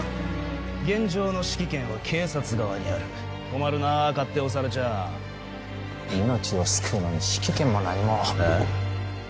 現場の指揮権は警察側にある困るなあ勝手をされちゃあ命を救うのに指揮権も何もあっ？